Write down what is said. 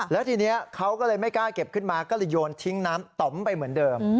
แล้วทีนี้เขาก็เลยไม่กล้าเก็บขึ้นมาก็เลยโยนทิ้งน้ำต่อมไปเหมือนเดิม